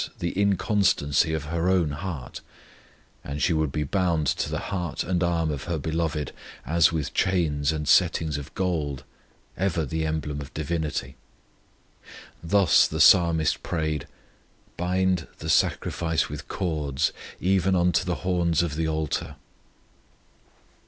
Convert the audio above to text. the inconstancy of her own heart; and she would be bound to the heart and arm of her Beloved as with chains and settings of gold, ever the emblem of divinity. Thus the Psalmist prayed, "Bind the sacrifice with cords, even unto the horns of the altar."